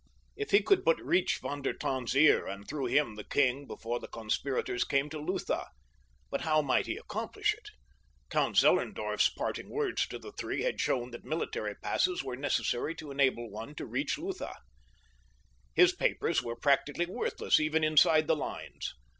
If he could but reach Von der Tann's ear and through him the king before the conspirators came to Lutha! But how might he accomplish it? Count Zellerndorf's parting words to the three had shown that military passes were necessary to enable one to reach Lutha. His papers were practically worthless even inside the lines.